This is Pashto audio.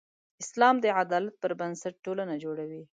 اسلام د عدالت پر بنسټ ټولنه جوړوي.